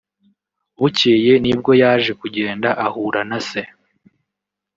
Bukeye nibwo yaje kugenda ahura na se